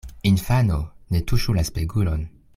Infano, ne tuŝu la spegulon!